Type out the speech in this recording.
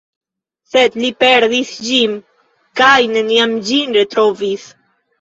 Sed li perdis ĝin kaj neniam ĝin retrovis.